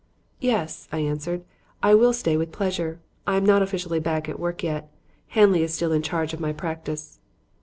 "Yes," I answered, "I will stay with pleasure; I am not officially back at work yet. Hanley is still in charge of my practice."